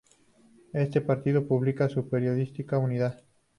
Este partido publica su periódico "Unidad".